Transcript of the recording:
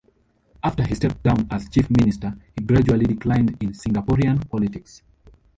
After he stepped down as Chief Minister, he gradually declined in Singaporean politics.